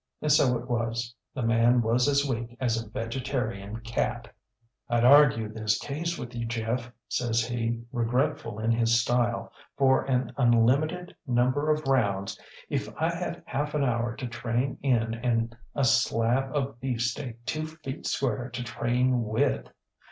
ŌĆÖ And so it was. The man was as weak as a vegetarian cat. ŌĆ£ŌĆśIŌĆÖd argue this case with you, Jeff, ŌĆÖ says he, regretful in his style, ŌĆśfor an unlimited number of rounds if I had half an hour to train in and a slab of beefsteak two feet square to train with.